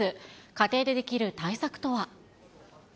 家庭でできる対策とは。